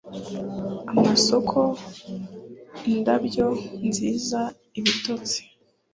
amasoko, indabyo nziza, ibitotsi!